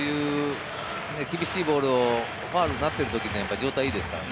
厳しいボールをファウルになってるときに状態はいいですからね。